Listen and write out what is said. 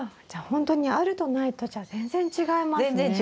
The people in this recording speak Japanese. じゃあほんとにあるとないとじゃ全然違いますね。